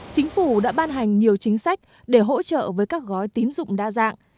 chính phủ đã ban hành nhiều chính sách để hỗ trợ với các gói tín dụng đa dạng